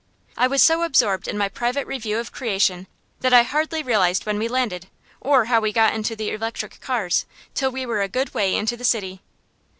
I was so absorbed in my private review of creation that I hardly realized when we landed, or how we got into the electric cars, till we were a good way into the city.